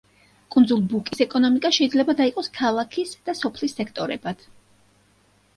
კუნძულ ბუკის ეკონომიკა შეიძლება დაიყოს ქალაქის და სოფლის სექტორებად.